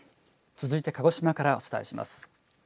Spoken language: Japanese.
続いて鹿児島からお伝えします。